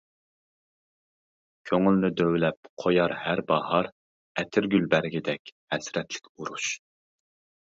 كۆڭۈلنى دۆۋىلەپ قويار ھەر باھار ئەتىرگۈل بەرگىدەك ھەسرەتلىك ئۇرۇش.